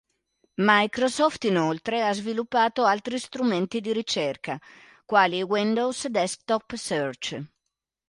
Microsoft inoltre ha sviluppato altri strumenti di ricerca, quali Windows Desktop Search.